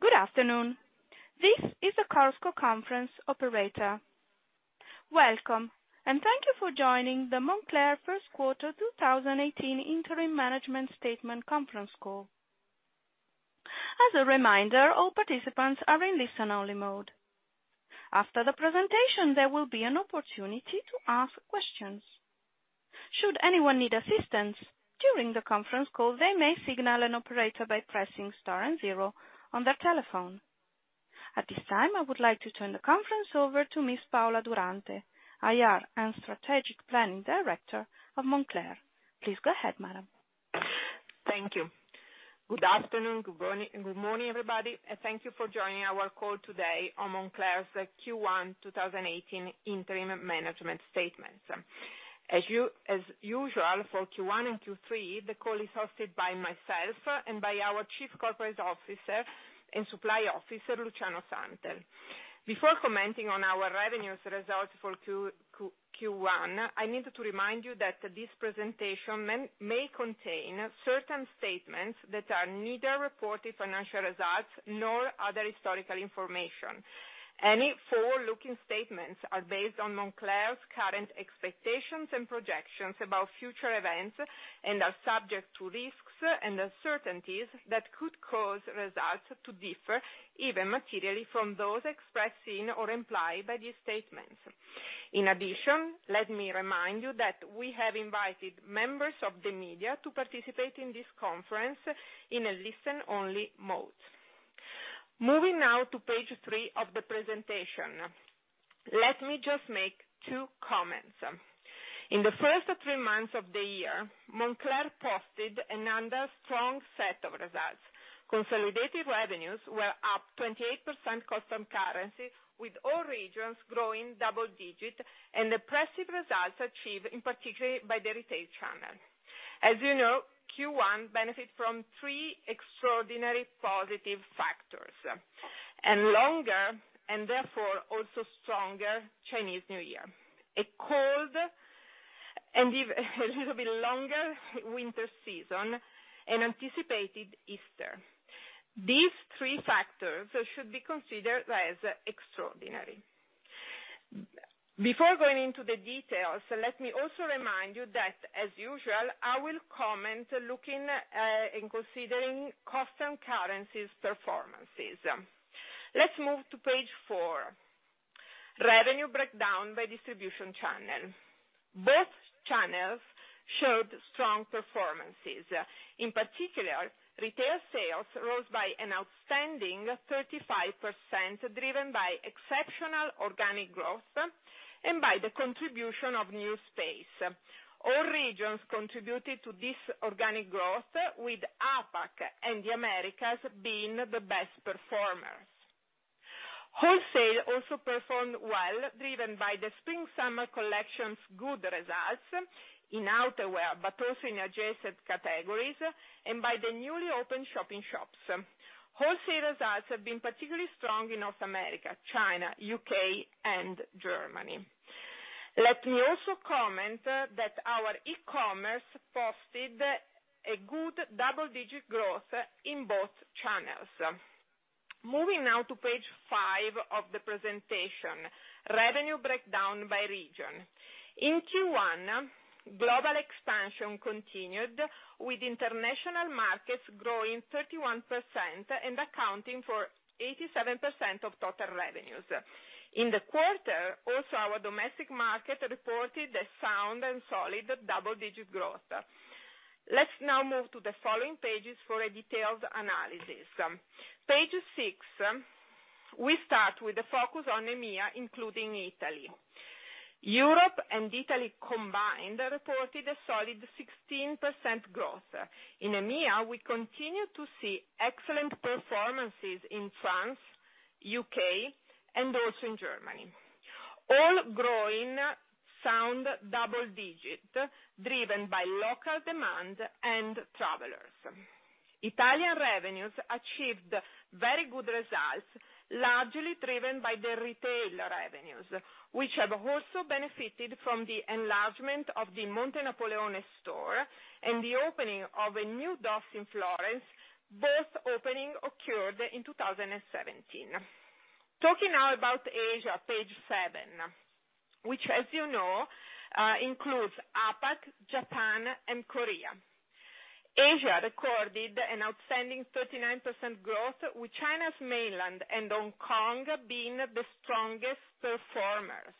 Good afternoon. This is the Chorus Call conference operator. Welcome, and thank you for joining the Moncler first quarter 2018 interim management statement conference call. As a reminder, all participants are in listen-only mode. After the presentation, there will be an opportunity to ask questions. Should anyone need assistance during the conference call, they may signal an operator by pressing star and zero on their telephone. At this time, I would like to turn the conference over to Ms. Paola Durante, Investor Relations and Strategic Planning Director of Moncler. Please go ahead, madam. Thank you. Good afternoon. Good morning, everybody, thank you for joining our call today on Moncler's Q1 2018 interim management statement. As usual, for Q1 and Q3, the call is hosted by myself and by our Chief Corporate & Supply Officer, Luciano Santel. Before commenting on our revenues results for Q1, I need to remind you that this presentation may contain certain statements that are neither reported financial results nor are they historical information. Any forward-looking statements are based on Moncler's current expectations and projections about future events, are subject to risks and uncertainties that could cause results to differ, even materially, from those expressed in or implied by these statements. In addition, let me remind you that we have invited members of the media to participate in this conference in a listen-only mode. Moving now to page three of the presentation. Let me just make two comments. In the first three months of the year, Moncler posted another strong set of results. Consolidated revenues were up 28% constant currency, with all regions growing double digit and impressive results achieved in particular by the retail channel. As you know, Q1 benefit from three extraordinary positive factors: A longer, therefore, also stronger Chinese New Year, a cold and little bit longer winter season, anticipated Easter. These three factors should be considered as extraordinary. Before going into the details, let me also remind you that, as usual, I will comment looking and considering constant currencies performances. Let's move to page four, revenue breakdown by distribution channel. Both channels showed strong performances. In particular, retail sales rose by an outstanding 35% driven by exceptional organic growth and by the contribution of new space. All regions contributed to this organic growth, with APAC and the Americas being the best performers. Wholesale also performed well, driven by the spring/summer collection's good results in outerwear, but also in adjacent categories, and by the newly opened shop-in-shops. Wholesale results have been particularly strong in North America, China, U.K. and Germany. Let me also comment that our e-commerce posted a good double-digit growth in both channels. Moving now to page five of the presentation, revenue breakdown by region. In Q1, global expansion continued with international markets growing 31% and accounting for 87% of total revenues. In the quarter, also our domestic market reported a sound and solid double-digit growth. Let's now move to the following pages for a detailed analysis. Page six. We start with the focus on EMEA, including Italy. Europe and Italy combined reported a solid 16% growth. In EMEA, we continue to see excellent performances in France, U.K., and also in Germany, all growing sound double-digit, driven by local demand and travelers. Italian revenues achieved very good results, largely driven by the retail revenues, which have also benefited from the enlargement of the Montenapoleone store and the opening of a new DOS in Florence, both opening occurred in 2017. Talking now about Asia, page seven, which, as you know, includes APAC, Japan and Korea. Asia recorded an outstanding 39% growth, with China's mainland and Hong Kong being the strongest performers.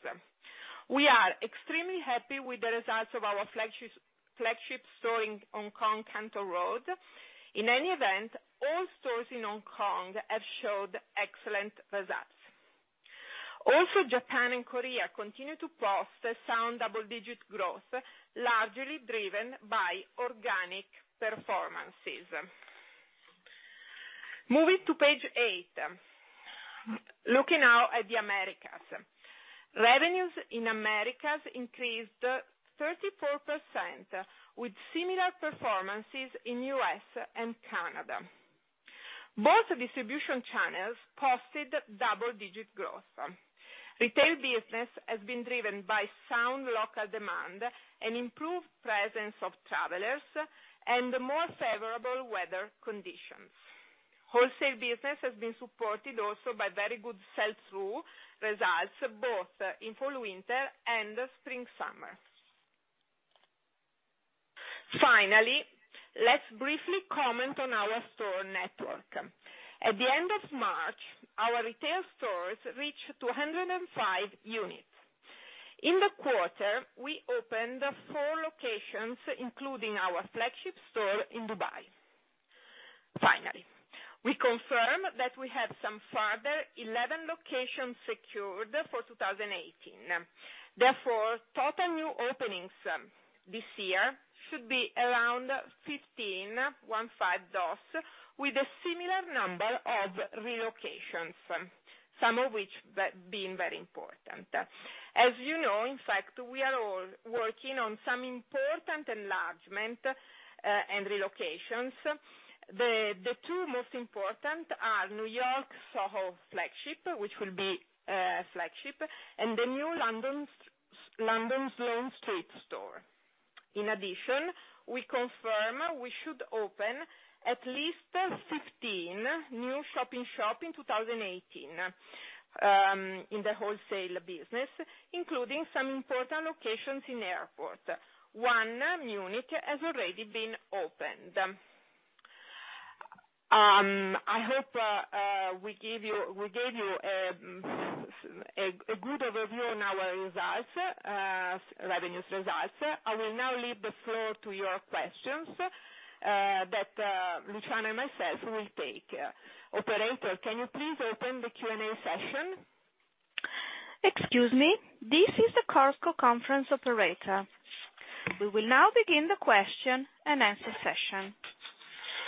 We are extremely happy with the results of our flagship store in Hong Kong, Canton Road. In any event, all stores in Hong Kong have showed excellent results. Japan and Korea continue to post a sound double-digit growth, largely driven by organic performances. Moving to page eight. Looking now at the Americas. Revenues in Americas increased 34%, with similar performances in U.S. and Canada. Both distribution channels posted double-digit growth. Retail business has been driven by sound local demand and improved presence of travelers and more favorable weather conditions. Wholesale business has been supported also by very good sell-through results, both in fall/winter and spring/summer. Finally, let's briefly comment on our store network. At the end of March, our retail stores reached 205 units. In the quarter, we opened four locations, including our flagship store in Dubai. Finally, we confirm that we have some further 11 locations secured for 2018. Therefore, total new openings this year should be around 15, one-five, with a similar number of relocations, some of which being very important. As you know, in fact, we are all working on some important enlargement and relocations. The two most important are New York Soho flagship, which will be a flagship, and the new London's Sloane Street store. In addition, we confirm we should open at least 15 new shop-in-shop in 2018, in the wholesale business, including some important locations in airport. One, Munich, has already been opened. I hope we gave you a good overview on our revenues results. I will now leave the floor to your questions, that Luciano and myself will take. Operator, can you please open the Q&A session? Excuse me. This is the Chorus Call conference operator. We will now begin the question-and-answer session.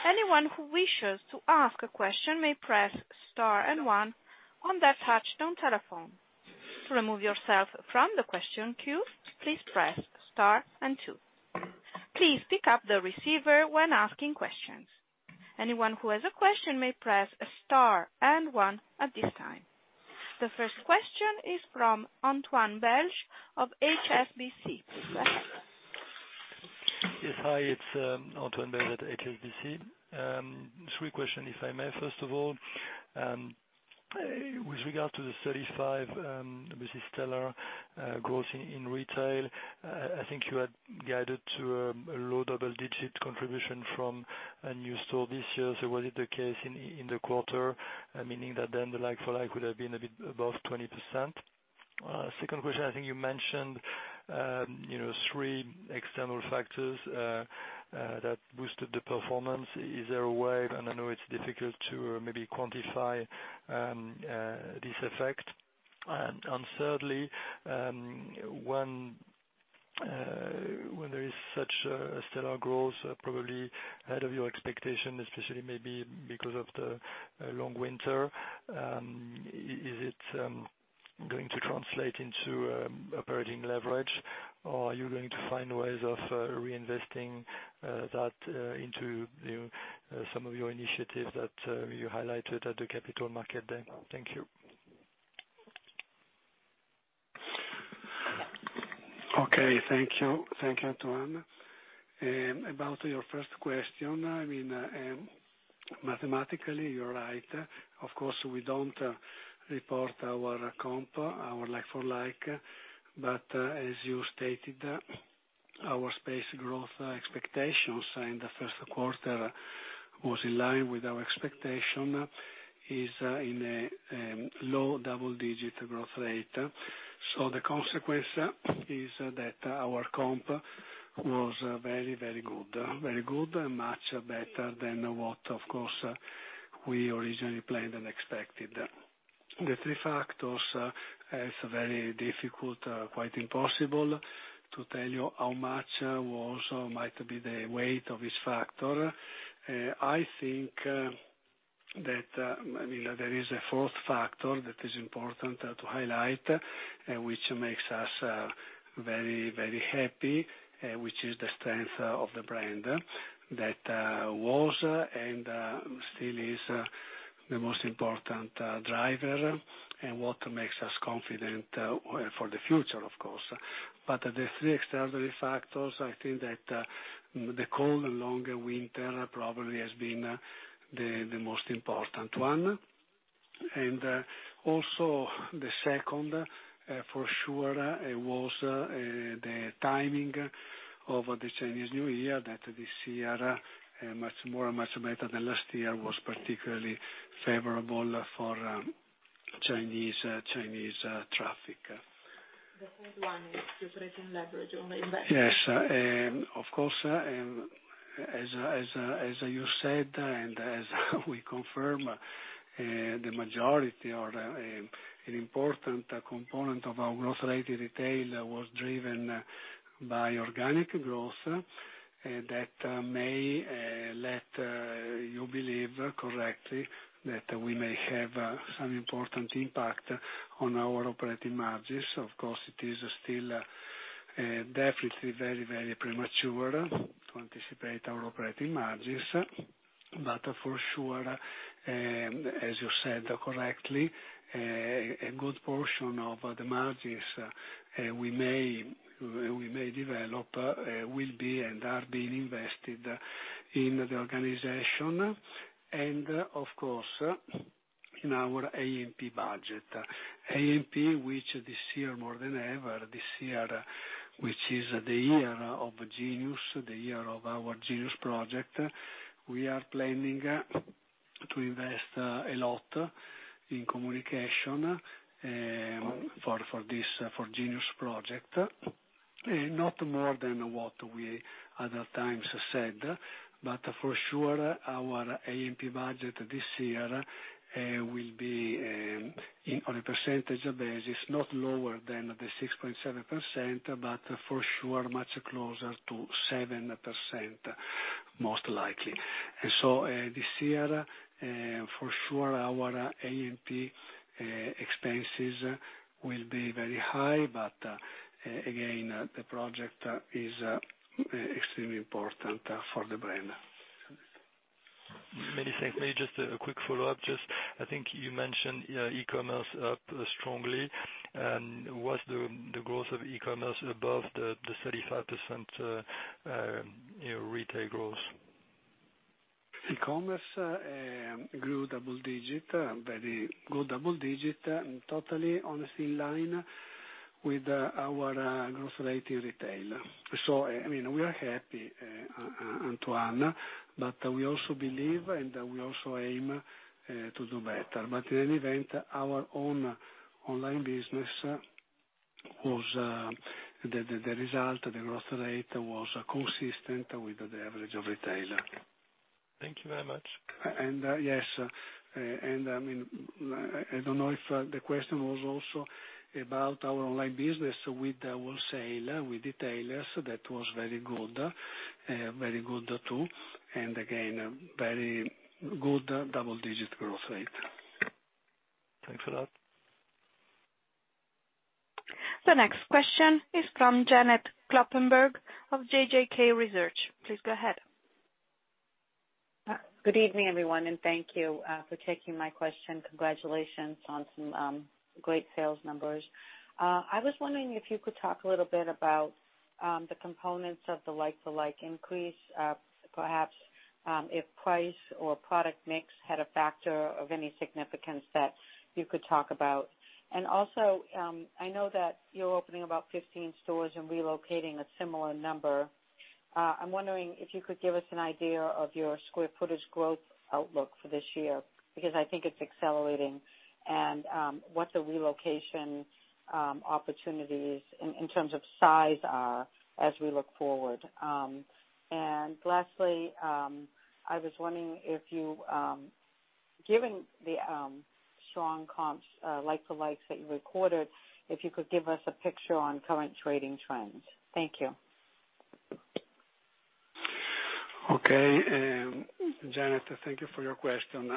Anyone who wishes to ask a question may press star and one on their touch-tone telephone. To remove yourself from the question queue, please press star and two. Please pick up the receiver when asking questions. Anyone who has a question may press star and one at this time. The first question is from Antoine Belge of HSBC. Please go ahead. Yes, hi. It's Antoine Belge at HSBC. Three questions, if I may. First of all, with regard to the 35, this is stellar growth in retail. I think you had guided to a low double-digit contribution from a new store this year. Was it the case in the quarter, meaning that then the like-for-like would have been a bit above 20%? Second question, I think you mentioned three external factors that boosted the performance. Is there a way, and I know it's difficult to maybe quantify this effect? Thirdly, when there is such a stellar growth, probably ahead of your expectation, especially maybe because of the long winter, is it going to translate into operating leverage, or are you going to find ways of reinvesting that into some of your initiatives that you highlighted at the Capital Markets Day? Thank you. Okay, thank you. Thank you, Antoine. About your first question, mathematically you're right. Of course, we don't report our comp, our like-for-like. As you stated, our space growth expectations in the first quarter was in line with our expectation, is in a low double-digit growth rate. The consequence is that our comp was very good. Much better than what, of course, we originally planned and expected. The three factors, it's very difficult, quite impossible to tell you how much also might be the weight of each factor. I think that there is a fourth factor that is important to highlight, which makes us very happy, which is the strength of the brand that was, and still is, the most important driver, and what makes us confident for the future, of course. The three external factors, I think that the cold and longer winter probably has been the most important one. Also the second, for sure, was the timing of the Chinese New Year that this year, much more and much better than last year, was particularly favorable for Chinese traffic. The third one is the operating leverage on investment. Yes. Of course, as you said, and as we confirm, the majority or an important component of our growth rate in retail was driven by organic growth. That may let you believe correctly that we may have some important impact on our operating margins. Of course, it is still a Definitely very premature to anticipate our operating margins. For sure, as you said correctly, a good portion of the margins we may develop will be and are being invested in the organization and of course, in our A&P budget. A&P, which this year more than ever, this year, which is the year of Genius, the year of our Genius project, we are planning to invest a lot in communication for Genius project. Not more than what we other times have said. For sure, our A&P budget this year will be, on a percentage basis, not lower than the 6.7%, but for sure, much closer to 7%, most likely. This year, for sure, our A&P expenses will be very high, but again, the project is extremely important for the brand. Many thanks. Maybe just a quick follow-up. I think you mentioned e-commerce up strongly. Was the growth of e-commerce above the 35% retail growth? E-commerce grew double digit, very good double digit, and totally on the same line with our growth rate in retail. We are happy, Antoine, but we also believe and we also aim to do better. In any event, our own online business, the result, the growth rate was consistent with the average of retail. Thank you very much. Yes. I don't know if the question was also about our online business with the wholesaler, with retailers, that was very good too. Again, very good double-digit growth rate. Thanks for that. The next question is from Janet Kloppenburg of JJK Research. Please go ahead. Good evening, everyone, thank you for taking my question. Congratulations on some great sales numbers. I was wondering if you could talk a little bit about the components of the like-for-like increase, perhaps if price or product mix had a factor of any significance that you could talk about. Also, I know that you're opening about 15 stores and relocating a similar number. I'm wondering if you could give us an idea of your square footage growth outlook for this year, because I think it's accelerating, and what the relocation opportunities in terms of size are as we look forward. Lastly, I was wondering if you, given the strong comps, like-for-likes that you recorded, if you could give us a picture on current trading trends. Thank you. Okay. Janet, thank you for your question.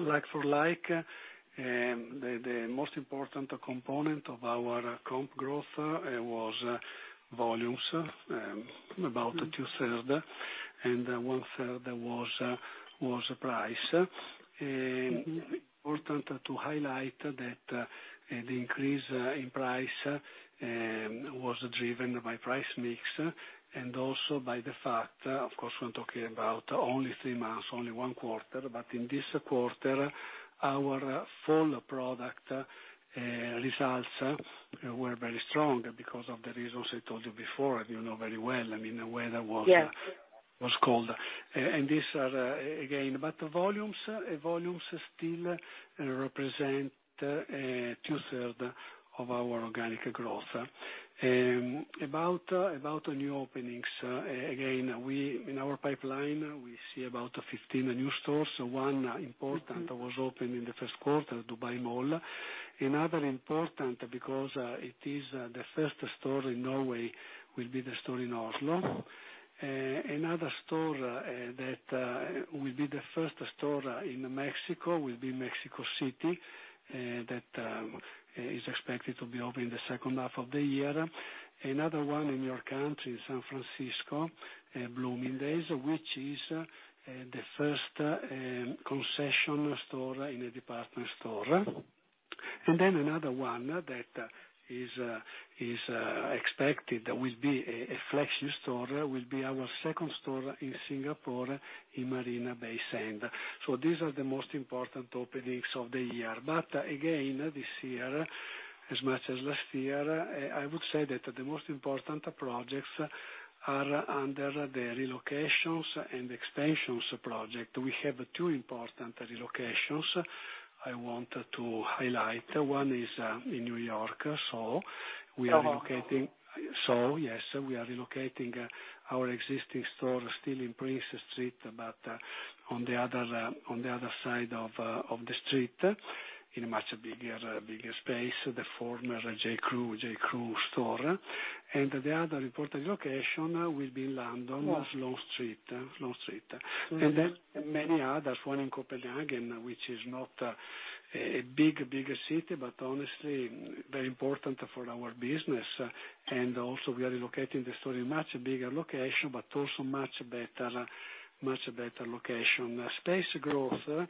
Like for like, the most important component of our comp growth was volumes, about two-thirds, and one-third was price. Important to highlight that the increase in price was driven by price mix and also by the fact, of course, we're talking about only three months, only one quarter, but in this quarter, our full price results were very strong because of the reasons I told you before, and you know very well. The weather was- Yes was cold. Volumes still represent two-thirds of our organic growth. About new openings. Again, in our pipeline, we see about 15 new stores. One important was opened in the first quarter, Dubai Mall. Another important, because it is the first store in Norway, will be the store in Oslo. Another store that will be the first store in Mexico, will be Mexico City, that is expected to be open in the second half of the year. Another one in your country, in San Francisco, Bloomingdale's, which is the first concession store in a department store. Another one that is expected will be a flagship store, will be our second store in Singapore in Marina Bay Sands. These are the most important openings of the year. Again, this year, as much as last year, I would say that the most important projects are under the relocations and expansions project. We have two important relocations I want to highlight. One is in New York, SoHo. We are relocating- SoHo. SoHo, yes. We are relocating our existing store still in Prince Street, but on the other side of the street, in a much bigger space, the former J.Crew store. The other important location will be in London- Yes Sloane Street. Then many others, one in Copenhagen, which is not a big city, but honestly, very important for our business. Also we are relocating the store in much bigger location, but also much better location. Space growth,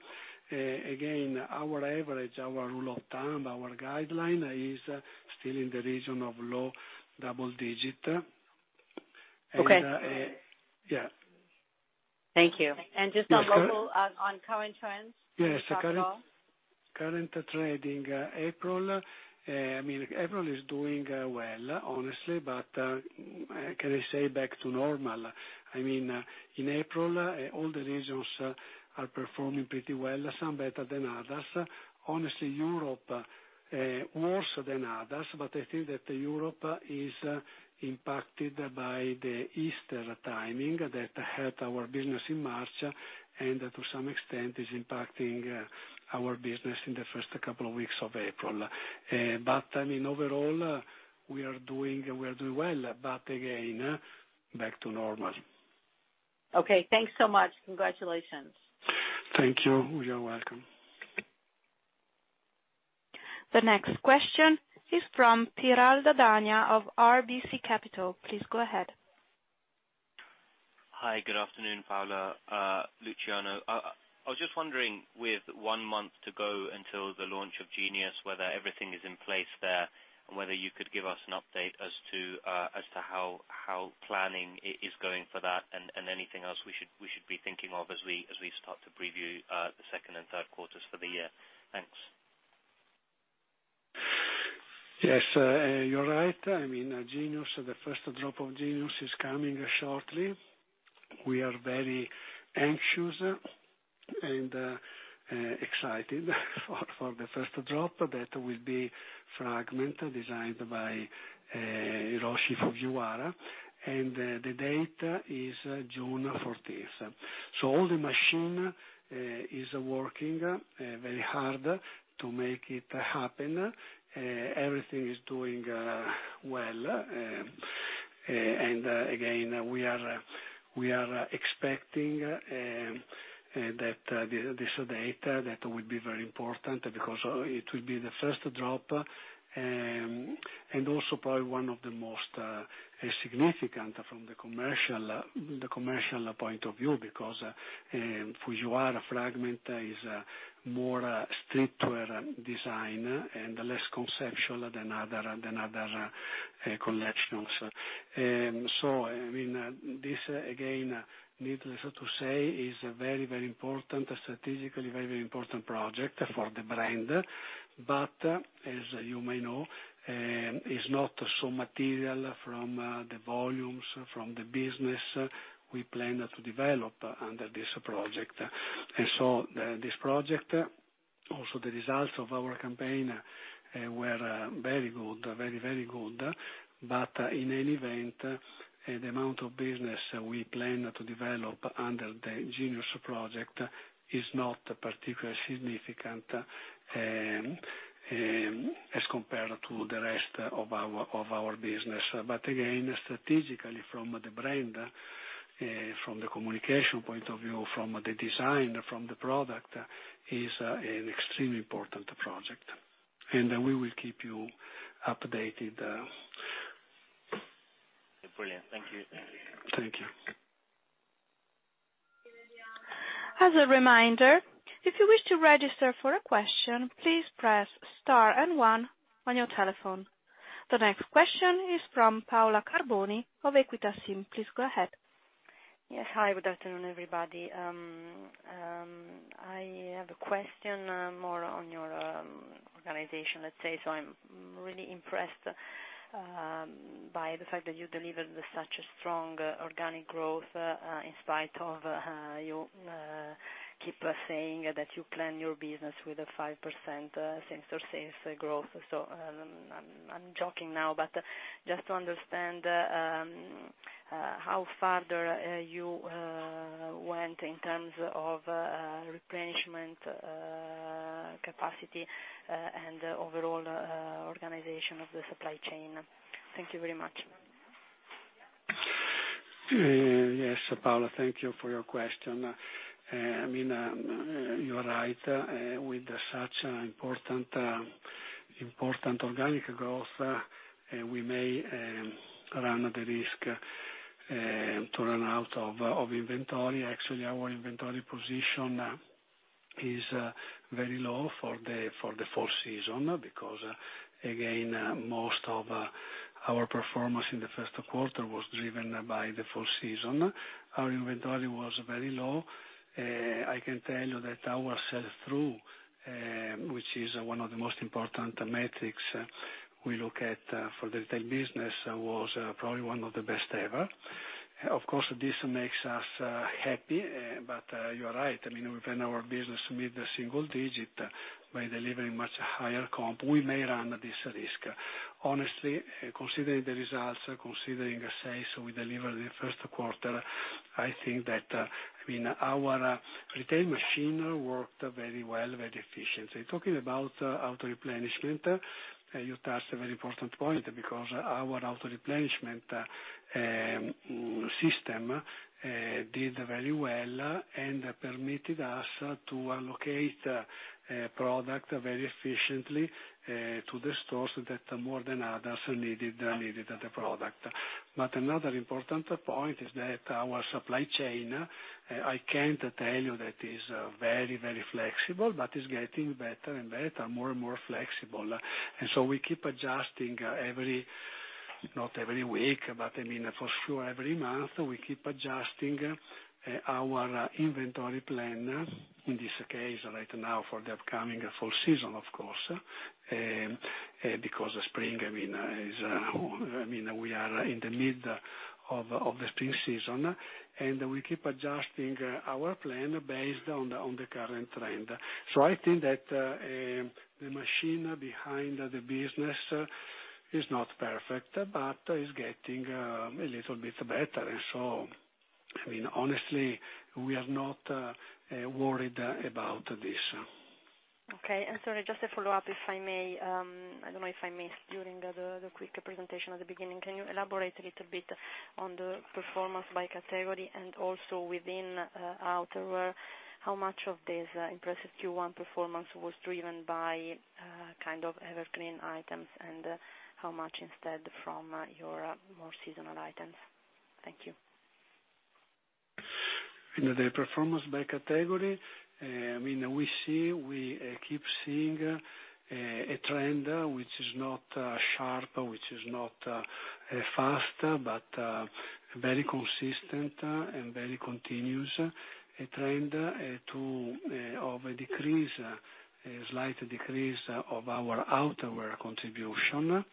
again, our average, our rule of thumb, our guideline is still in the region of low double digit. Okay. Yeah. Thank you. Just on local, on current trends. Yes. Can you talk at all? Current trading April. April is doing well, honestly. Can I say back to normal? In April, all the regions are performing pretty well, some better than others. Honestly, Europe, worse than others, but I think that Europe is impacted by the Easter timing that hurt our business in March, and to some extent is impacting our business in the first couple of weeks of April. Overall we are doing well. Again, back to normal. Okay. Thanks so much. Congratulations. Thank you. You are welcome. The next question is from Piral Dadhania of RBC Capital. Please go ahead. Hi. Good afternoon, Paola, Luciano. I was just wondering, with one month to go until the launch of Genius, whether everything is in place there, and whether you could give us an update as to how planning is going for that, and anything else we should be thinking of as we start to preview the second and third quarters for the year. Thanks. Yes. You're right. The first drop of Genius is coming shortly. We are very anxious and excited for the first drop. That will be Fragment, designed by Hiroshi Fujiwara. The date is June 14th. All the machine is working very hard to make it happen. Everything is doing well, and again, we are expecting that this date, that will be very important because it will be the first drop, and also probably one of the most significant from the commercial point of view because Fujiwara Fragment is more a streetwear design and less conceptual than other collections. This again, needless to say, is a strategically very important project for the brand. As you may know, is not so material from the volumes from the business we plan to develop under this project. This project, also the results of our campaign, were very good. In any event, the amount of business we plan to develop under the Genius project is not particularly significant as compared to the rest of our business. Again, strategically from the brand, from the communication point of view, from the design, from the product, is an extremely important project. We will keep you updated. Brilliant. Thank you. Thank you. As a reminder, if you wish to register for a question, please press star and one on your telephone. The next question is from Paola Carboni of Equita SIM. Please go ahead. Yes. Hi, good afternoon, everybody. I have a question more on your organization, let's say. I'm really impressed by the fact that you delivered such a strong organic growth, in spite of you keep saying that you plan your business with a 5% same store sales growth. I'm joking now, but just to understand, how further you went in terms of replenishment capacity and overall organization of the supply chain. Thank you very much. Yes, Paola. Thank you for your question. You are right, with such important organic growth, we may run the risk to run out of inventory. Actually, our inventory position is very low for the full season because, again, most of our performance in the first quarter was driven by the full season. Our inventory was very low. I can tell you that our sell-through, which is one of the most important metrics we look at for the retail business, was probably one of the best ever. Of course, this makes us happy. You are right, we plan our business to meet the single digit by delivering much higher comp. We may run this risk. Honestly, considering the results, considering the sales we delivered in the first quarter, I think that our retail machine worked very well, very efficiently. Talking about auto-replenishment, you touched a very important point, because our auto-replenishment system did very well and permitted us to allocate product very efficiently to the stores that more than others needed the product. Another important point is that our supply chain, I can't tell you that it is very flexible, but it's getting better and better, more and more flexible. We keep adjusting, not every week, but for sure every month. We keep adjusting our inventory plan, in this case right now for the upcoming fall season, of course, because we are in the mid of the spring season. We keep adjusting our plan based on the current trend. I think that the machine behind the business is not perfect, but is getting a little bit better. Honestly, we are not worried about this. Okay. Sorry, just a follow-up, if I may. I don't know if I missed during the quick presentation at the beginning. Can you elaborate a little bit on the performance by category and also within outerwear, how much of this impressive Q1 performance was driven by kind of evergreen items, and how much instead from your more seasonal items? Thank you. In the performance by category, we keep seeing a trend which is not sharp, which is not fast, but very consistent and very continuous. A trend of a slight decrease of our outerwear contribution,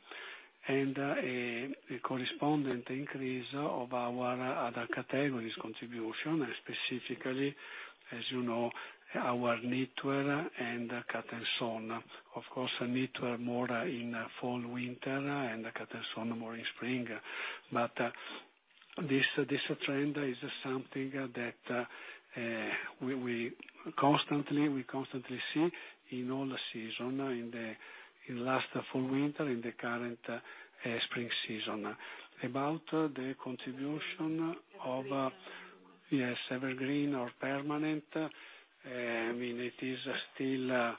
and a correspondent increase of our other categories contribution, specifically, as you know, our knitwear and cut and sew. Of course, knitwear more in fall/winter and cut and sew more in spring. This trend is something that we constantly see in all the season, in last fall/winter, in the current spring season. About the contribution of evergreen or permanent. It is still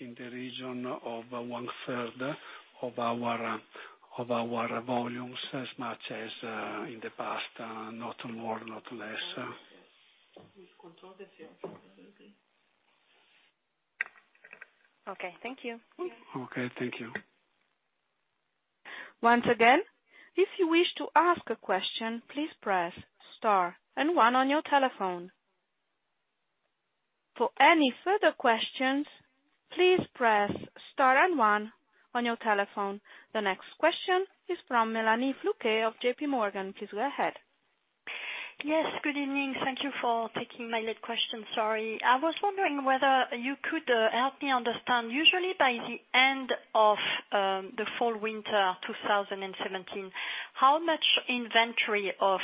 in the region of one third of our volumes as much as in the past. Not more, not less. Okay. Thank you. Okay. Thank you. Once again, if you wish to ask a question, please press Star and One on your telephone. For any further questions, please press Star and One on your telephone. The next question is from Mélanie Flouquet of JPMorgan. Please go ahead. Yes. Good evening. Thank you for taking my lead question. Sorry. I was wondering whether you could help me understand. Usually by the end of the fall/winter 2017, how much inventory of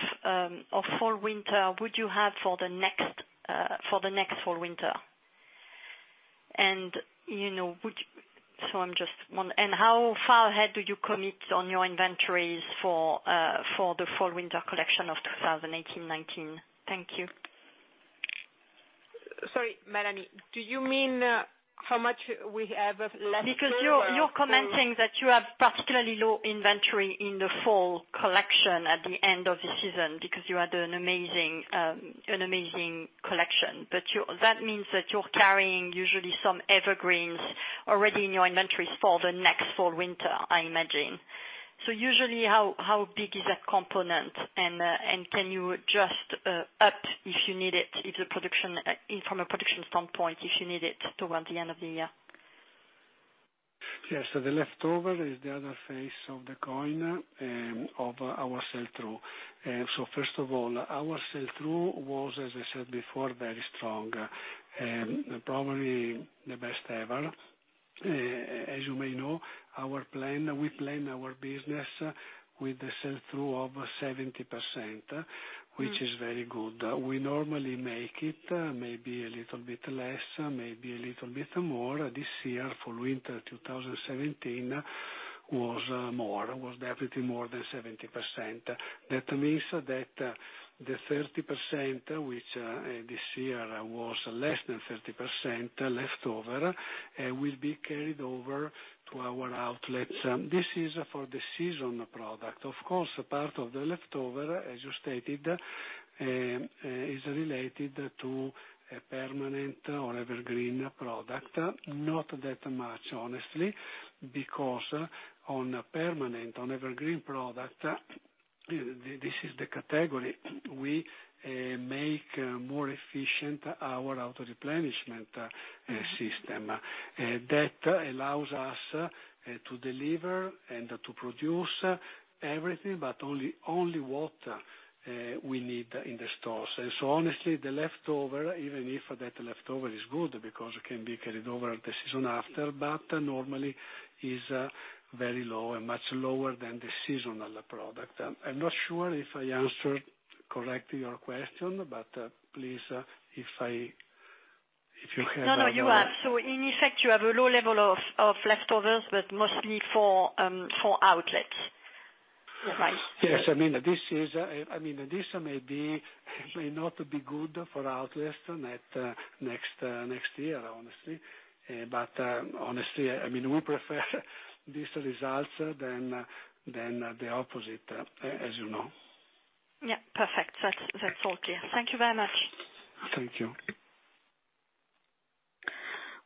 fall/winter would you have for the next fall/winter? How far ahead do you commit on your inventories for the fall/winter collection of 2018/19? Thank you. Sorry, Mélanie. Do you mean how much we have leftover? You're commenting that you have particularly low inventory in the fall collection at the end of the season because you had an amazing collection. That means that you're carrying usually some evergreens already in your inventories for the next fall/winter, I imagine. Usually, how big is that component? And can you adjust up if you need it from a production standpoint, if you need it toward the end of the year? Yes. The leftover is the other face of the coin of our sell-through. First of all, our sell-through was, as I said before, very strong, and probably the best ever. As you may know, we plan our business with the sell-through of 70%, which is very good. We normally make it maybe a little bit less, maybe a little bit more. This year, fall/winter 2017, was definitely more than 70%. That means that the 30%, which this year was less than 30% leftover, will be carried over to our outlets. This is for the season product. Of course, part of the leftover, as you stated, is related to permanent or evergreen product. Not that much, honestly, because on permanent, on evergreen product, this is the category We make more efficient our auto-replenishment system. That allows us to deliver and to produce everything, but only what we need in the stores. Honestly, the leftover, even if that leftover is good, because it can be carried over the season after, but normally is very low and much lower than the seasonal product. I'm not sure if I answered correctly your question, but please, if you have another question. No, you have. In effect, you have a low level of leftovers, but mostly for outlets. Is that right? Yes. This may not be good for outlets next year, honestly. Honestly, we prefer these results than the opposite, as you know. Yeah. Perfect. That's all clear. Thank you very much. Thank you.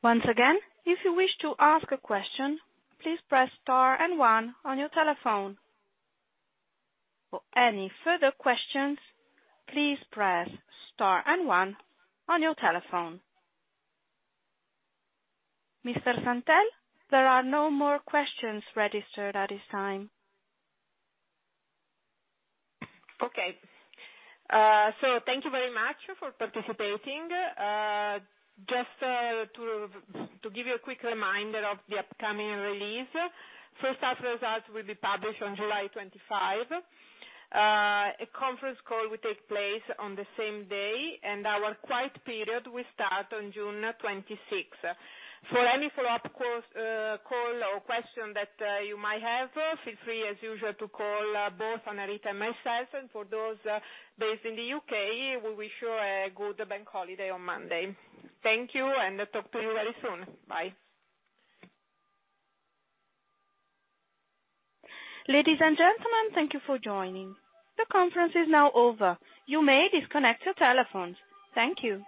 Once again, if you wish to ask a question, please press star and one on your telephone. For any further questions, please press star and one on your telephone. Mr. Santel, there are no more questions registered at this time. Thank you very much for participating. To give you a quick reminder of the upcoming release, first-half results will be published on July 25. A conference call will take place on the same day. Our quiet period will start on June 26th. For any follow-up call or question that you might have, feel free as usual to call both Anita and myself. For those based in the U.K., we wish you a good bank holiday on Monday. Thank you. Talk to you very soon. Bye. Ladies and gentlemen, thank you for joining. The conference is now over. You may disconnect your telephones. Thank you.